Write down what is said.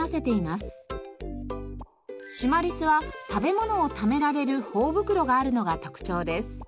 シマリスは食べ物をためられる頬袋があるのが特徴です。